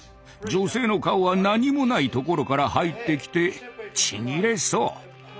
女性の顔は何もないところから入ってきてちぎれそう。